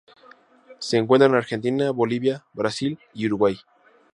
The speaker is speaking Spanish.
Se encuentra en Argentina, Bolivia, Brasil y Uruguay.